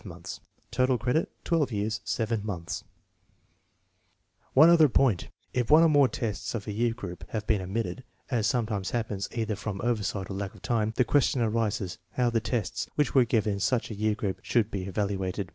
5 Total credit 12 7 One other point : If one or more tests of a year group have been omitted, as sometimes happens either from oversight or lack of time, the question arises how the tests which were given in such a year group should be evaluated.